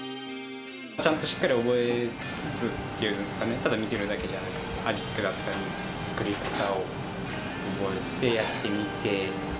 ちゃんとしっかり覚えつつっていうんですかね、ただ見てるだけじゃなく、味付けだったり、作り方を覚えてやってみて。